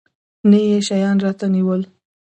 نه يې شيان راته رانيول.